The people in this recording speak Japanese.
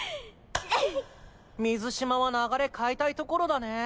水嶋は流れ変えたいところだねぇ。